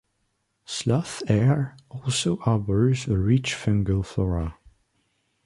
Sloth hair also harbours a rich fungal flora.